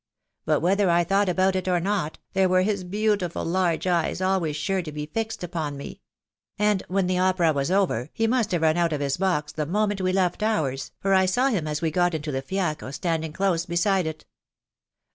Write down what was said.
But whether I thought about it or not, there were his beau tiful large eyes always sore to be fixed upon me ; and when the opera was over, he must have run out of his box the moment we left ours, for I saw him as we got into the fiacre standing close beside it.